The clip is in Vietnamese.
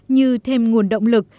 như thêm nguồn động lực